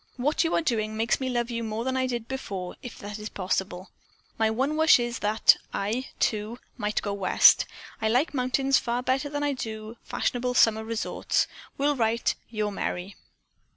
What you are doing makes me love you more than I did before, if that is possible. My one wish is that I, too, might go West. I like mountains far better than I do fashionable summer resorts. Will write. Your Merry."